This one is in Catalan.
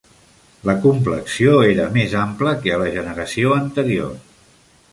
La complexió era més ampla que a la generació anterior.